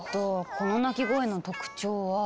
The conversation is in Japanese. この鳴き声の特徴は。